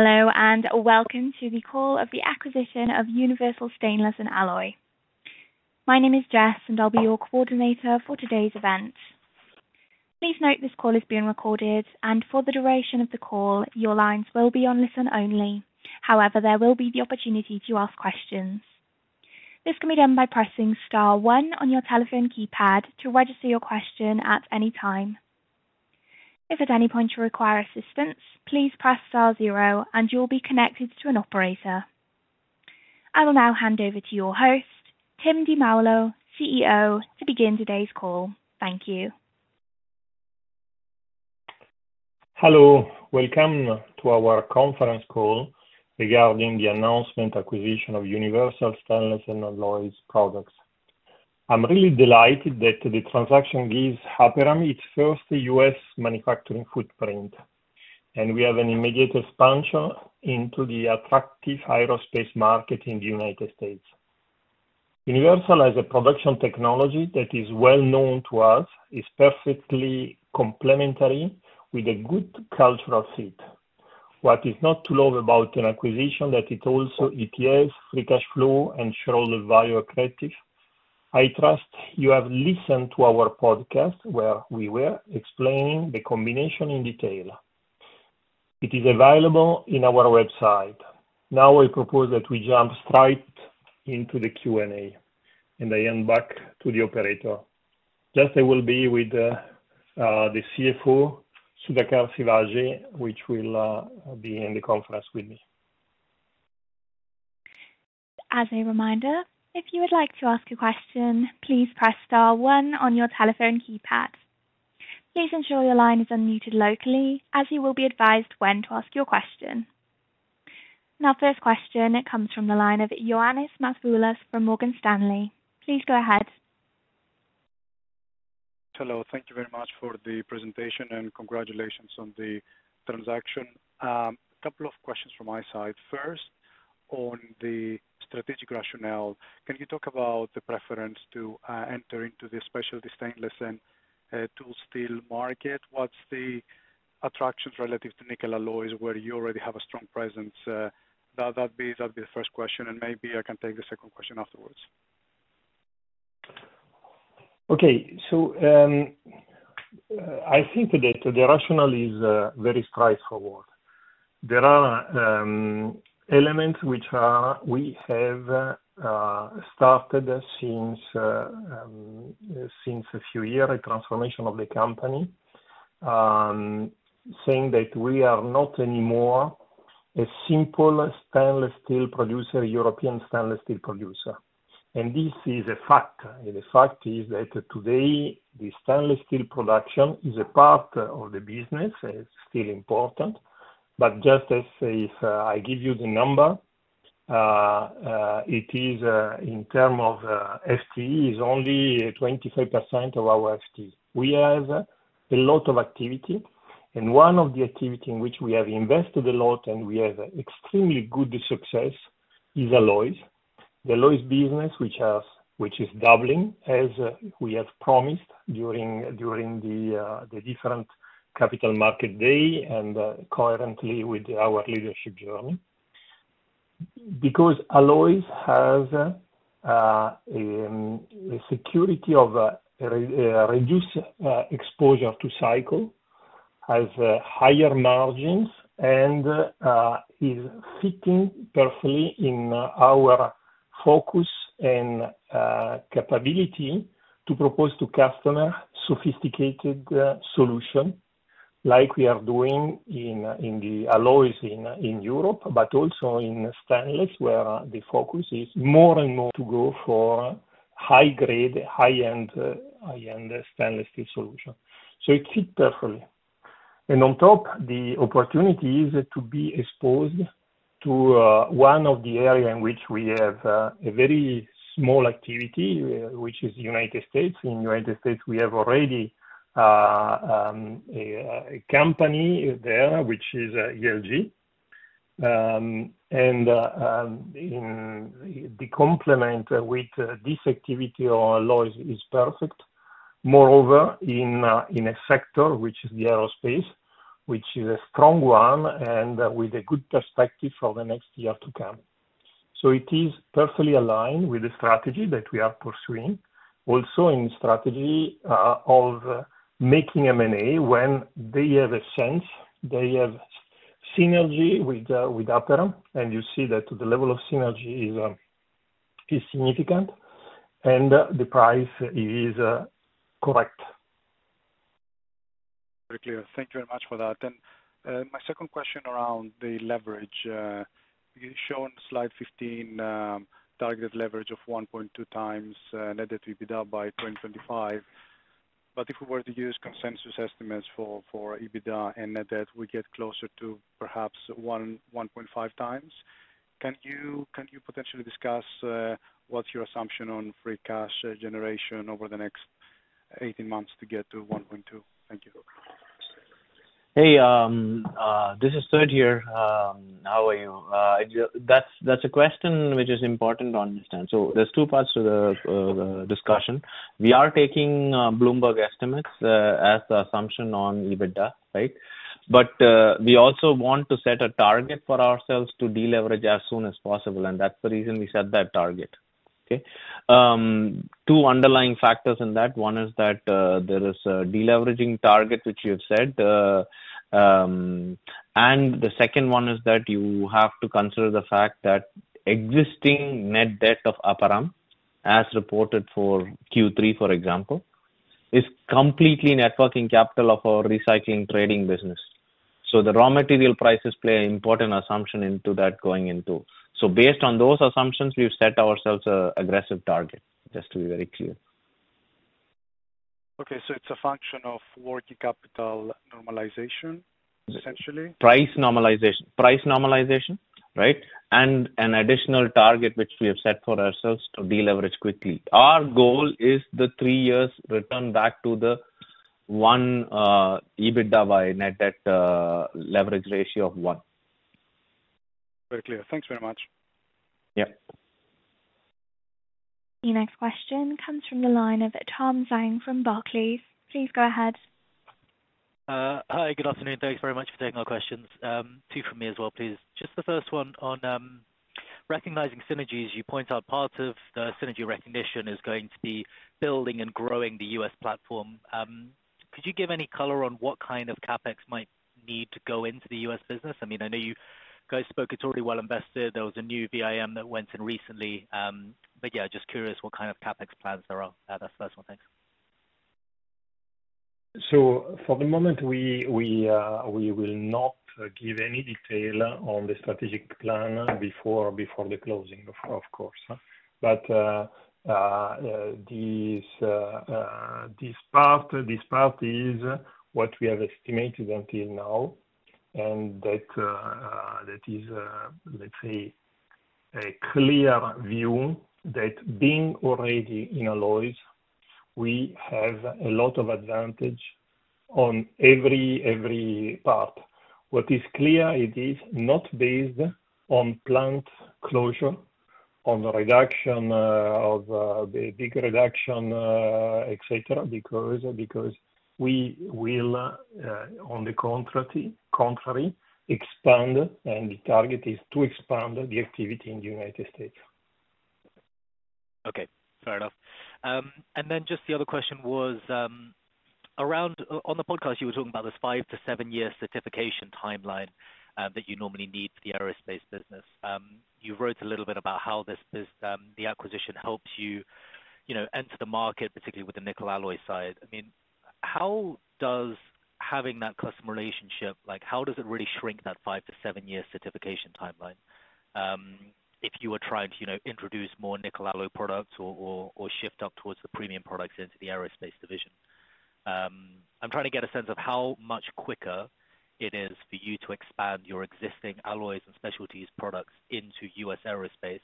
Hello, and welcome to the call on the acquisition of Universal Stainless and Alloy. My name is Jess, and I'll be your coordinator for today's event. Please note, this call is being recorded, and for the duration of the call, your lines will be on listen only. However, there will be the opportunity to ask questions. This can be done by pressing star one on your telephone keypad to register your question at any time. If at any point you require assistance, please press star zero, and you will be connected to an operator. I will now hand over to your host, Tim Di Maulo, CEO, to begin today's call. Thank you. Hello. Welcome to our conference call regarding the announced acquisition of Universal Stainless & Alloy Products. I'm really delighted that the transaction gives Aperam its first U.S. manufacturing footprint, and we have an immediate expansion into the attractive aerospace market in the United States. Universal has a production technology that is well known to us, is perfectly complementary with a good cultural fit. What is not to love about an acquisition that is also EPS, free cash flow, and shareholder value accretive? I trust you have listened to our podcast, where we were explaining the combination in detail. It is available on our website. Now, I propose that we jump straight into the Q&A, and I hand back to the operator. I will be with the CFO, Sudhakar Sivaji, who will be in the conference with me. As a reminder, if you would like to ask a question, please press star one on your telephone keypad. Please ensure your line is unmuted locally, as you will be advised when to ask your question. Now, first question, it comes from the line of Ioannis Masoulas from Morgan Stanley. Please go ahead. Hello. Thank you very much for the presentation, and congratulations on the transaction. A couple of questions from my side. First, on the strategic rationale, can you talk about the preference to enter into the specialty stainless and tool steel market? What's the attractions relative to nickel alloys, where you already have a strong presence? That'd be the first question, and maybe I can take the second question afterwards. Okay. So, I think that the rationale is very straightforward. There are elements which we have started since a few years, a transformation of the company, saying that we are not anymore a simple stainless steel producer, European stainless steel producer, and this is a fact. The fact is that today, the stainless steel production is a part of the business, it's still important, but just as if I give you the number, it is in terms of FTE only 25% of our FTE. We have a lot of activity, and one of the activity in which we have invested a lot and we have extremely good success is alloys. The alloys business, which is doubling, as we have promised during the different capital market day and coherently with our leadership journey. Because alloys has a security of reduced exposure to cycle, has higher margins, and is fitting perfectly in our focus and capability to propose to customer sophisticated solution like we are doing in the alloys in Europe, but also in stainless, where the focus is more and more to go for high grade, high-end high-end stainless steel solution. So it fit perfectly. And on top, the opportunity is to be exposed to one of the area in which we have a very small activity, which is United States. In United States, we have already a company there, which is ELG. And in the complement with this activity or alloys is perfect. Moreover, in a sector which is the aerospace, which is a strong one, and with a good perspective for the next year to come. So it is perfectly aligned with the strategy that we are pursuing. Also, in strategy of making M&A, when they have a sense, they have synergy with Aperam, and you see that the level of synergy is significant, and the price is correct. Very clear. Thank you very much for that. And, my second question around the leverage, you show on slide 15, target leverage of 1.2x net debt to EBITDA by 2025. But if we were to use consensus estimates for EBITDA and net debt, we get closer to perhaps 1.5x. Can you potentially discuss what's your assumption on free cash generation over the next 18 months to get to 1.2? Thank you. Hey, this is Sud here. How are you? That's a question which is important to understand. So there's two parts to the discussion. We are taking Bloomberg estimates as the assumption on EBITDA, right? But we also want to set a target for ourselves to deleverage as soon as possible, and that's the reason we set that target, okay? Two underlying factors in that. One is that there is a deleveraging target which you have said. And the second one is that you have to consider the fact that existing net debt of Aperam, as reported for Q3, for example, is completely net working capital of our recycling trading business. So the raw material prices play an important assumption into that going into. Based on those assumptions, we've set ourselves an aggressive target, just to be very clear. Okay, so it's a function of working capital normalization, essentially? Price normalization. Price normalization, right? And an additional target which we have set for ourselves to deleverage quickly. Our goal is the three years return back to the one, EBITDA by net debt, leverage ratio of one. Very clear. Thanks very much. Yeah. Your next question comes from the line of Tom Zhang from Barclays. Please go ahead. Hi, good afternoon. Thanks very much for taking our questions. Two from me as well, please. Just the first one on recognizing synergies. You point out part of the synergy recognition is going to be building and growing the U.S. platform. Could you give any color on what kind of CapEx might need to go into the U.S. business? I mean, I know you guys spoke, it's already well invested. There was a new VIM that went in recently, but yeah, just curious what kind of CapEx plans there are. That's the first one. Thanks. So for the moment, we will not give any detail on the strategic plan before the closing, of course, but this part is what we have estimated until now, and that is, let's say, a clear view that being already in alloys, we have a lot of advantage on every part. What is clear, it is not based on plant closure, on the reduction of the big reduction, et cetera, because we will, on the contrary, expand, and the target is to expand the activity in the United States. Okay. Fair enough. And then just the other question was around on the podcast, you were talking about this five to seven year certification timeline that you normally need for the aerospace business. You wrote a little bit about how the acquisition helps you, you know, enter the market, particularly with the nickel alloy side. I mean, how does having that customer relationship, like, how does it really shrink that five to seven year certification timeline, if you were trying to, you know, introduce more nickel alloy products or, or, or shift up towards the premium products into the aerospace division? I'm trying to get a sense of how much quicker it is for you to expand your existing alloys and specialties products into U.S. aerospace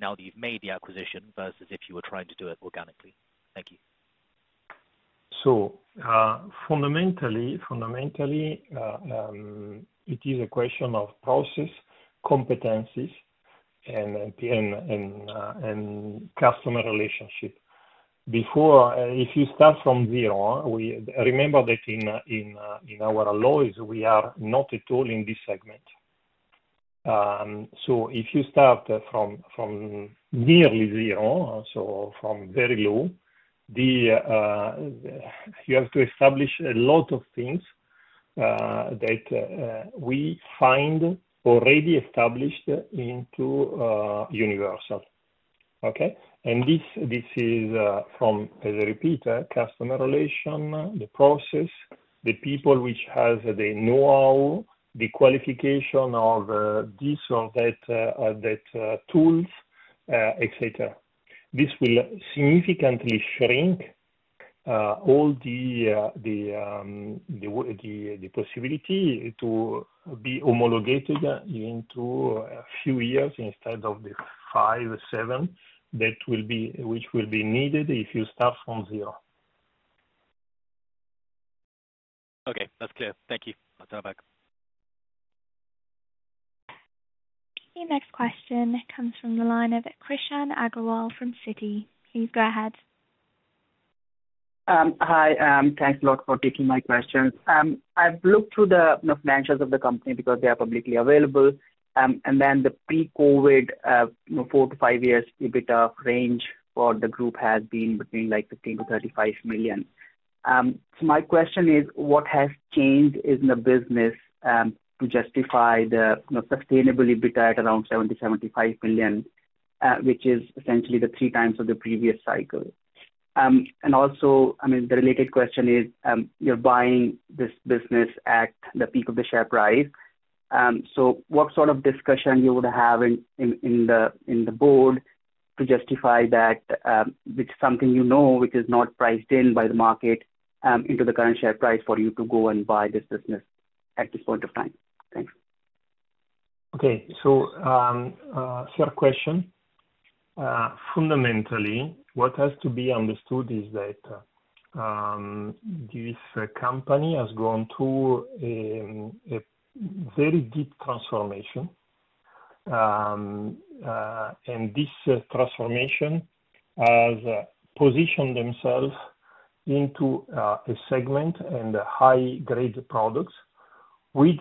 now that you've made the acquisition, versus if you were trying to do it organically. Thank you. So, fundamentally, it is a question of process, competencies, and customer relationship. Before, if you start from zero, remember that in our alloys, we are not at all in this segment. So if you start from nearly zero, from very low, you have to establish a lot of things that we find already established into Universal, okay? And this is from, as I repeat, customer relation, the process, the people which has the know-how, the qualification of this or that tools, et cetera. This will significantly shrink the possibility to be homologated into a few years instead of the five, seven that will be needed if you start from zero. Okay, that's clear. Thank you. I'll turn it back. The next question comes from the line of Krishan Agarwal from Citi. Please go ahead. Hi, thanks a lot for taking my questions. I've looked through the financials of the company because they are publicly available, and then the pre-COVID, you know, four to five years EBITDA range for the group has been between, like, 15 million-35 million. So my question is, what has changed in the business to justify the, you know, sustainable EBITDA at around 70 million-75 million, which is essentially the three times of the previous cycle? And also, I mean, the related question is, you're buying this business at the peak of the share price. So what sort of discussion you would have in the board to justify that, which is something you know, which is not priced in by the market, into the current share price for you to go and buy this business at this point of time? Thanks. Okay. So, first question. Fundamentally, what has to be understood is that, this company has gone through, a very deep transformation. And this transformation has positioned themselves into, a segment and high grade products with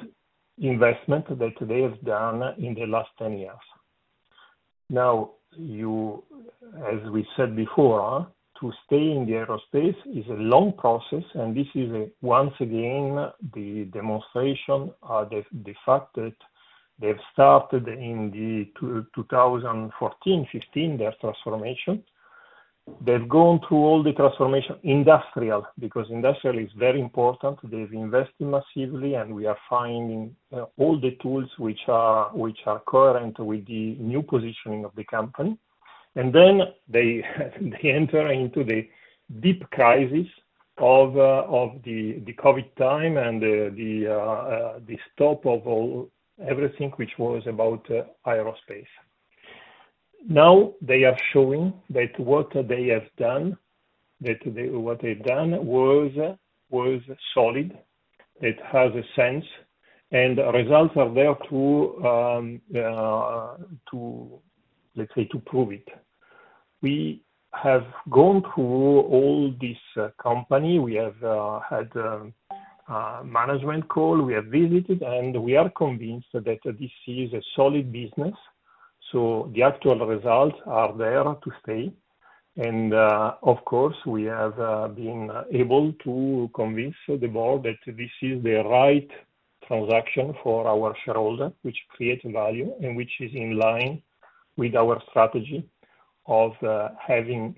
investment that they have done in the last 10 years. Now, you-- as we said before, to stay in the aerospace is a long process, and this is, once again, the demonstration, the fact that they've started in 2014, 2015, their transformation. They've gone through all the transformation industrial, because industrial is very important. They've invested massively, and we are finding all the tools which are current with the new positioning of the company. And then they enter into the deep crisis of the stop of everything which was about aerospace. Now, they are showing that what they have done was solid. It has a sense, and results are there to, let's say, to prove it. We have gone through all this company. We have had management call, we have visited, and we are convinced that this is a solid business, so the actual results are there to stay. And, of course, we have been able to convince the board that this is the right transaction for our shareholder, which creates value, and which is in line with our strategy of having,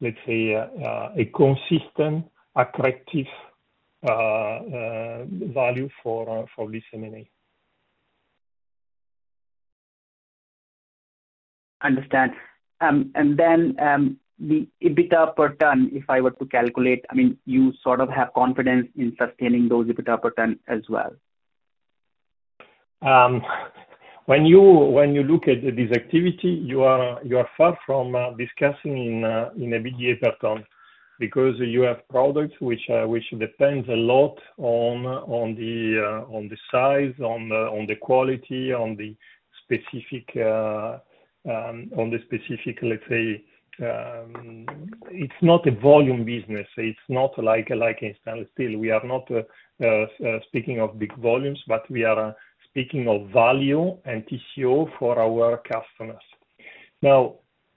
let's say, a consistent, attractive value for this M&A. Understood. And then, the EBITDA per ton, if I were to calculate, I mean, you sort of have confidence in sustaining those EBITDA per ton as well? When you look at this activity, you are far from discussing in a EBITDA per ton, because you have products which depends a lot on the size, on the quality, on the specific, let's say, it's not a volume business. It's not like in stainless steel. We are not speaking of big volumes, but we are speaking of value and TCO for our customers. Now,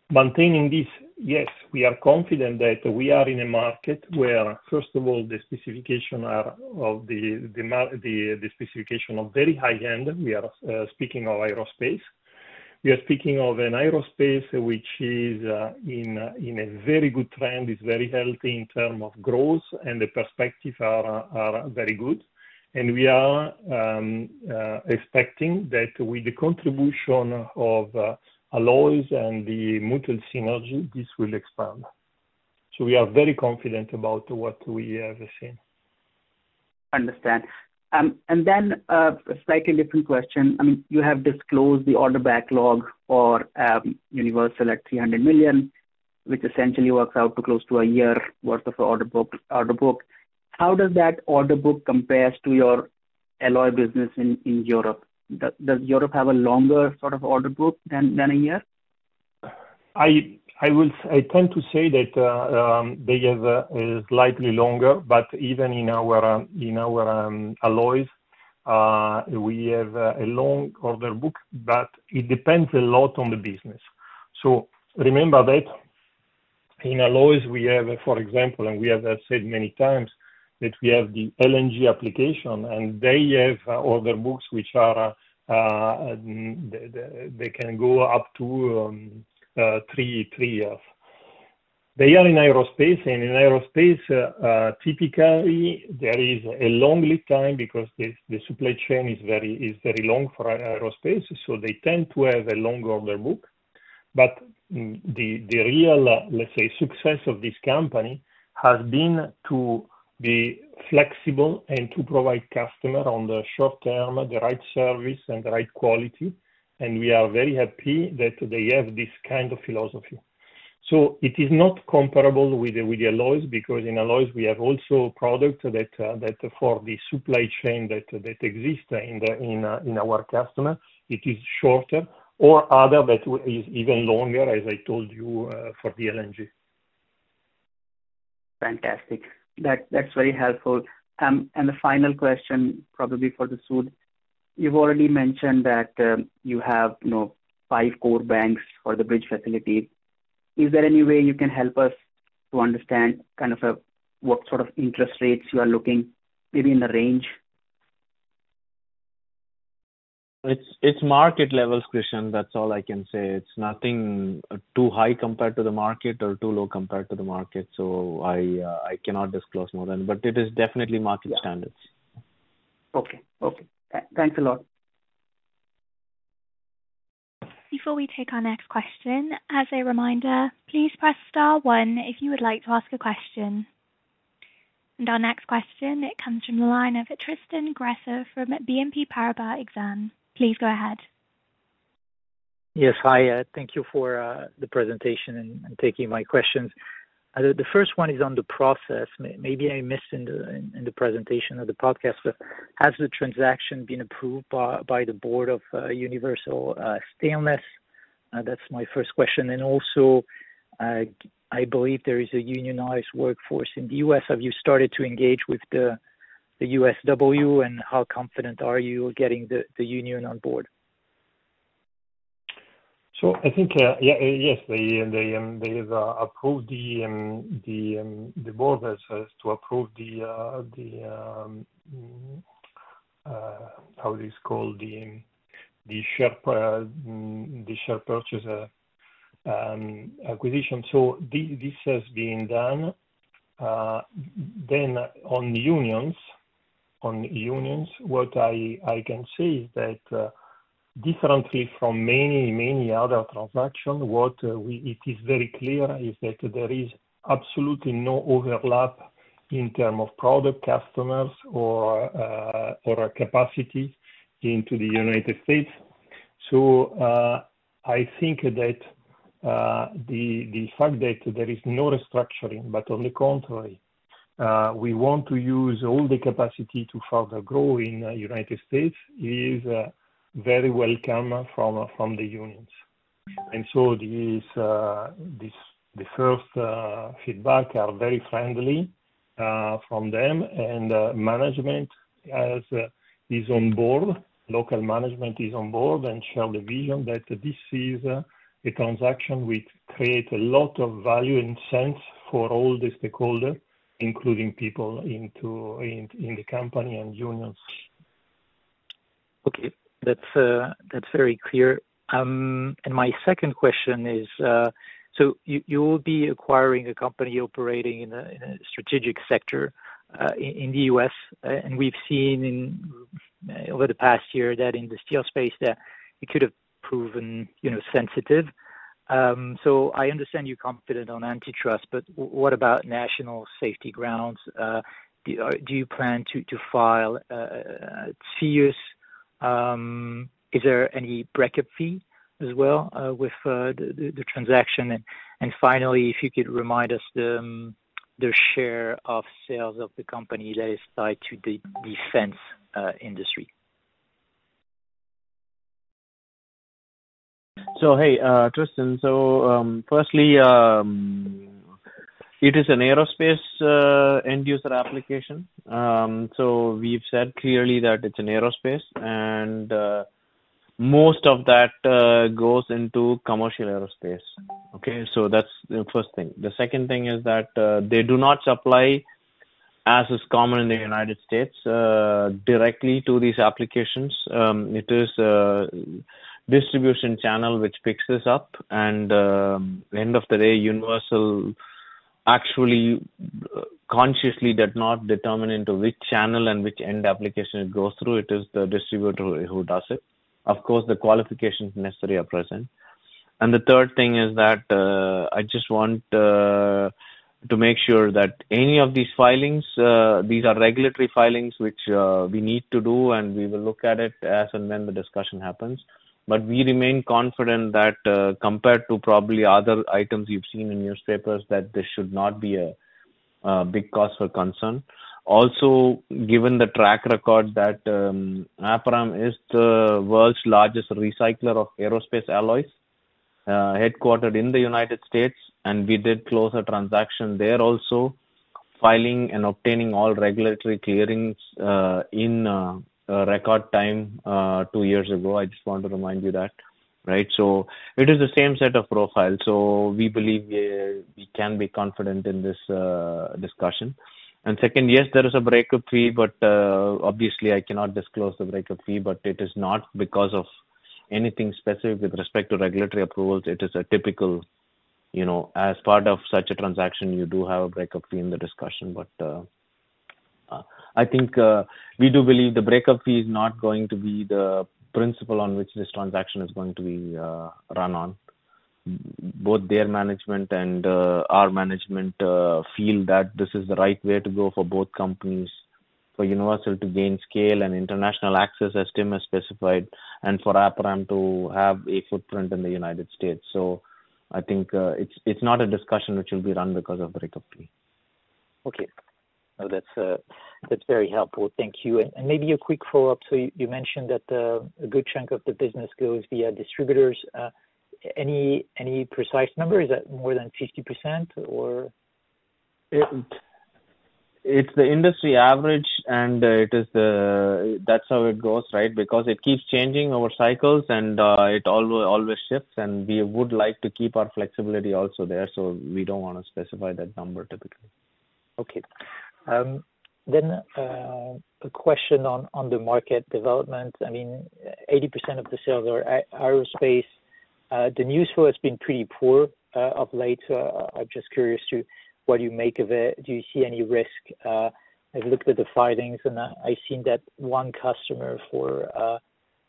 maintaining this, yes, we are confident that we are in a market where, first of all, the specification are of the specification of very high end. We are speaking of aerospace. We are speaking of an Aerospace which is in a very good trend, is very healthy in terms of growth, and the perspectives are very good. And we are expecting that with the contribution of Alloys and the mutual synergy, this will expand. So we are very confident about what we have seen. Understood. And then, a slightly different question. I mean, you have disclosed the order backlog for Universal at $300 million, which essentially works out to close to a year worth of order book. How does that order book compare to your alloy business in Europe? Does Europe have a longer sort of order book than a year? I tend to say that they have a slightly longer, but even in our alloys, we have a long order book, but it depends a lot on the business. So remember that in alloys we have, for example, and we have said many times, that we have the LNG application, and they have order books which are, they can go up to three years. They are in aerospace, and in aerospace, typically there is a long lead time because the supply chain is very long for aerospace, so they tend to have a long order book. But the real, let's say, success of this company has been to be flexible and to provide customer on the short term the right service and the right quality, and we are very happy that they have this kind of philosophy. So it is not comparable with alloys, because in alloys we have also products that for the supply chain that exist in our customer, it is shorter, or other, but which is even longer, as I told you, for the LNG. Fantastic. That's very helpful. And the final question, probably for Sud. You've already mentioned that you have, you know, five core banks for the bridge facility. Is there any way you can help us to understand kind of what sort of interest rates you are looking, maybe in the range? It's market levels, Krishan. That's all I can say. It's nothing too high compared to the market or too low compared to the market, so I cannot disclose more than... But it is definitely market standards. Okay. Okay, thanks a lot. Before we take our next question, as a reminder, please press star one if you would like to ask a question... and our next question, it comes from the line of Tristan Gresser from BNP Paribas Exane. Please go ahead. Yes. Hi, thank you for the presentation and taking my questions. The first one is on the process. Maybe I missed in the presentation or the podcast, but has the transaction been approved by the board of Universal Stainless? That's my first question. And also, I believe there is a unionized workforce in the U.S., have you started to engage with the USW, and how confident are you getting the union on board? So I think, yeah, yes, they have approved what is called the share purchase acquisition. So this has been done. Then on unions, what I can say is that, differently from many other transactions, what it is very clear is that there is absolutely no overlap in terms of product, customers, or capacity into the United States. So, I think that the fact that there is no restructuring, but on the contrary, we want to use all the capacity to further grow in United States, is very welcome from the unions. And so, the first feedback are very friendly from them. And management is on board, local management is on board and share the vision that this is a transaction which create a lot of value and sense for all the stakeholders, including people in the company and unions. Okay. That's, that's very clear. And my second question is, so you will be acquiring a company operating in a strategic sector in the U.S., and we've seen over the past year that in the steel space, that it could have proven, you know, sensitive. So I understand you're confident on antitrust, but what about national security grounds? Do you plan to file CFIUS? Is there any breakup fee as well with the transaction? And finally, if you could remind us the share of sales of the company that is tied to the defense industry. So, hey, Tristan, so, firstly, it is an aerospace, end user application. So we've said clearly that it's an aerospace, and, most of that, goes into commercial aerospace. Okay, so that's the first thing. The second thing is that, they do not supply, as is common in the United States, directly to these applications. It is distribution channel which picks this up, and, end of the day, Universal actually, consciously, does not determine into which channel and which end application it goes through, it is the distributor who does it. Of course, the qualifications necessary are present. And the third thing is that, I just want to make sure that any of these filings, these are regulatory filings, which we need to do, and we will look at it as and when the discussion happens. But we remain confident that, compared to probably other items you've seen in newspapers, that this should not be a big cause for concern. Also, given the track record that, Aperam is the world's largest recycler of aerospace alloys, headquartered in the United States, and we did close a transaction there also, filing and obtaining all regulatory clearings in a record time two years ago. I just want to remind you that, right? So it is the same set of profiles, so we believe we can be confident in this discussion. Second, yes, there is a breakup fee, but obviously I cannot disclose the breakup fee, but it is not because of anything specific with respect to regulatory approvals. It is a typical, you know, as part of such a transaction, you do have a breakup fee in the discussion. But I think we do believe the breakup fee is not going to be the principle on which this transaction is going to be run on. Both their management and our management feel that this is the right way to go for both companies: for Universal to gain scale and international access, as Tim has specified, and for Aperam to have a footprint in the United States. So I think it's not a discussion which will be run because of the breakup fee. Okay. No, that's very helpful. Thank you. And maybe a quick follow-up. So you mentioned that a good chunk of the business goes via distributors. Any precise number? Is that more than 50% or? It's the industry average, and it is, that's how it goes, right? Because it keeps changing over cycles, and it always shifts, and we would like to keep our flexibility also there, so we don't wanna specify that number typically. Okay. Then, a question on the market development. I mean, 80% of the sales are aerospace. The news flow has been pretty poor of late. I'm just curious to what you make of it. Do you see any risk? I've looked at the filings, and I've seen that one customer for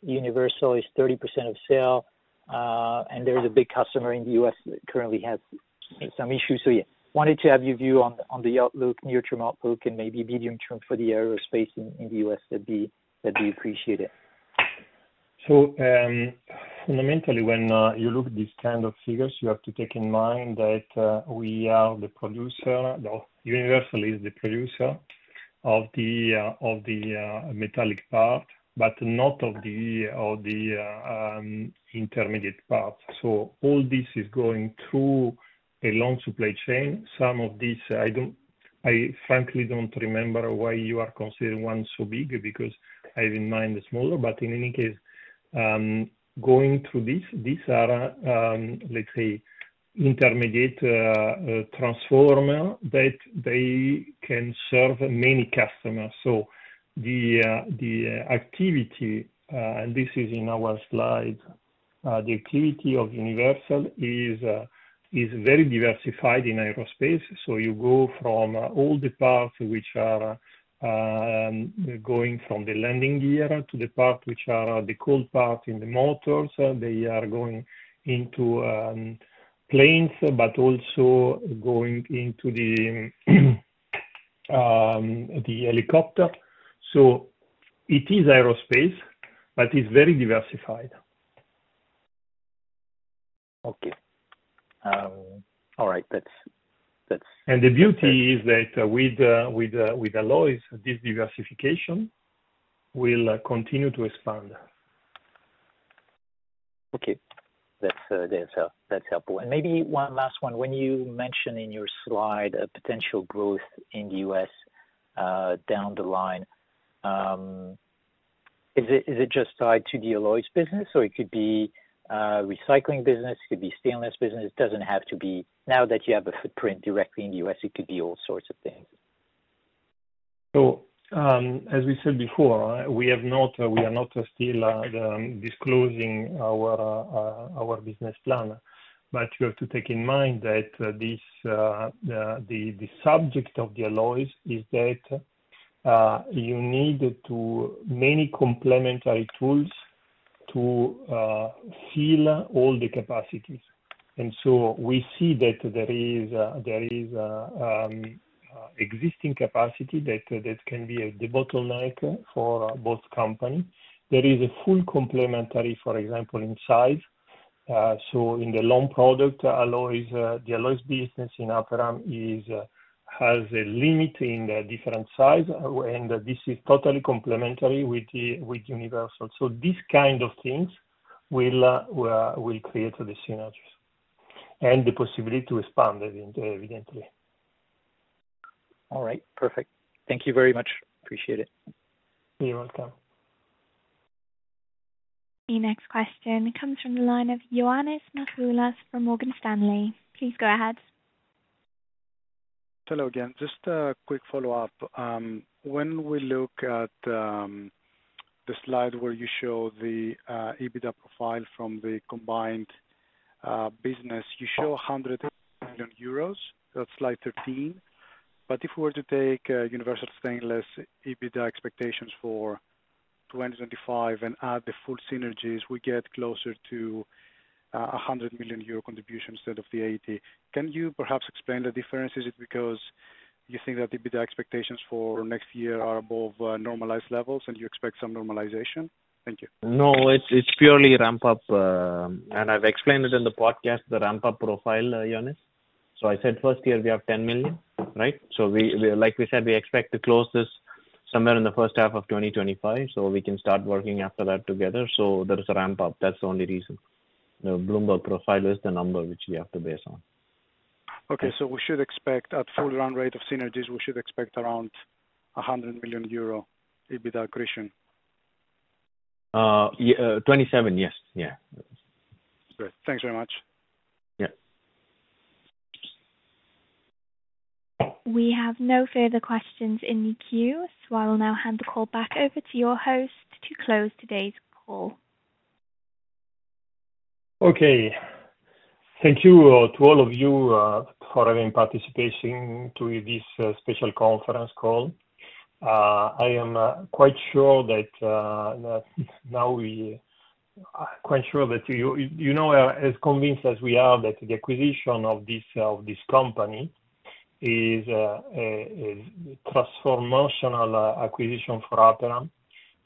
Universal is 30% of sale, and there is a big customer in the U.S. that currently has some issues. So yeah, wanted to have your view on the outlook, near-term outlook, and maybe medium-term for the aerospace in the U.S., that'd be, I'd do appreciate it. So, fundamentally, when you look at these kind of figures, you have to take in mind that we are the producer, or Universal is the producer of the metallic part, but not of the intermediate parts. So all this is going through a long supply chain. Some of these, I don't-- I frankly don't remember why you are considering one so big, because I have in mind the smaller, but in any case, going through this, these are, let's say, intermediate transformer, that they can serve many customers. So the activity, and this is in our slide, the activity of Universal is very diversified in aerospace. So you go from all the parts which are going from the landing gear to the part, which are the cold part in the motors. They are going into planes, but also going into the helicopter. So it is aerospace, but it's very diversified. Okay. All right. That's- The beauty is that with alloys, this diversification will continue to expand. Okay. That's, that's helpful. And maybe one last one. When you mention in your slide a potential growth in the U.S., down the line, is it just tied to the alloys business, or it could be recycling business, it could be stainless business? It doesn't have to be... Now that you have a footprint directly in the U.S., it could be all sorts of things. So, as we said before, we have not, we are not still disclosing our business plan. But you have to take in mind that this, the subject of the alloys is that you need many complementary tools to fill all the capacities. And so we see that there is existing capacity that can be the bottleneck for both company. There is a full complementary, for example, in size. So in the long product, alloys, the alloys business in Aperam has a limit in the different size, and this is totally complementary with Universal. So these kind of things will create the synergies and the possibility to expand, evidently. All right. Perfect. Thank you very much. Appreciate it. You're welcome. The next question comes from the line of Ioannis Masoulas from Morgan Stanley. Please go ahead. Hello again. Just a quick follow-up. When we look at the slide where you show the EBITDA profile from the combined business, you show 100 million euros. That's slide 13. But if we were to take Universal Stainless EBITDA expectations for 2025 and add the full synergies, we get closer to a 100 million euro contribution instead of the 80 million. Can you perhaps explain the difference? Is it because you think that the EBITDA expectations for next year are above normalized levels, and you expect some normalization? Thank you. No, it's purely ramp up, and I've explained it in the podcast, the ramp up profile, Ioannis. So I said first year we have 10 million, right? So, like we said, we expect to close this somewhere in the first half of 2025, so we can start working after that together. So there is a ramp up. That's the only reason. The Bloomberg profile is the number which we have to base on. Okay, so we should expect at full run rate of synergies, we should expect around 100 million euro EBITDA accretion? Yeah, 2027. Yes, yeah. Great. Thanks very much. Yeah. We have no further questions in the queue, so I will now hand the call back over to your host to close today's call. Okay. Thank you to all of you for having participation to this special conference call. I am quite sure that you know, as convinced as we are, that the acquisition of this company is a transformational acquisition for Aperam,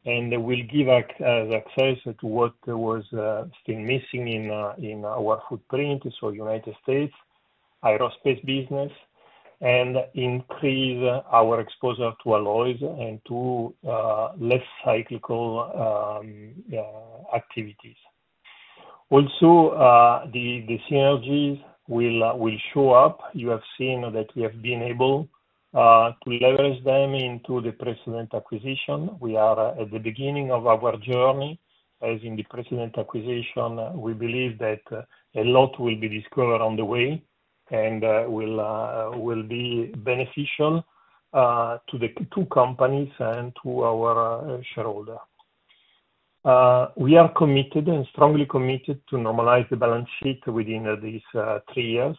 and will give access to what was still missing in our footprint. So United States aerospace business, and increase our exposure to alloys and to less cyclical activities. Also, the synergies will show up. You have seen that we have been able to leverage them into the precision acquisition. We are at the beginning of our journey. As in the previous acquisition, we believe that a lot will be discovered on the way and will be beneficial to the two companies and to our shareholder. We are committed and strongly committed to normalize the balance sheet within these three years,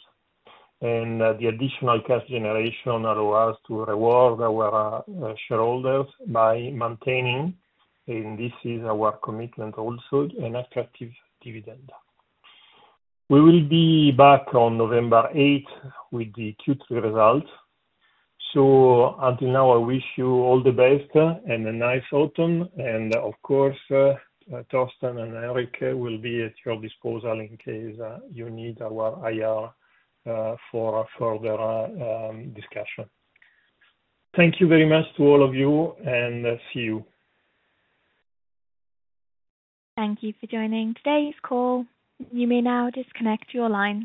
and the additional cash generation allow us to reward our shareholders by maintaining, and this is our commitment also, an effective dividend. We will be back on November eighth with the Q3 results. Until now, I wish you all the best and a nice autumn. Of course, Thorsten and Eric will be at your disposal in case you need our IR for further discussion. Thank you very much to all of you, and see you. Thank you for joining today's call. You may now disconnect your line.